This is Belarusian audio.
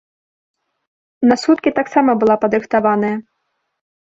На суткі таксама была падрыхтаваная.